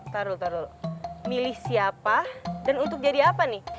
tarul tarul milih siapa dan untuk jadi apa nih